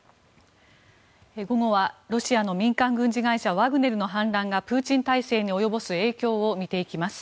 午後は、ロシアの民間軍事会社ワグネルの反乱がプーチン体制に及ぶ影響を見ていきます。